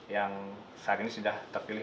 yang saat ini sudah terpilih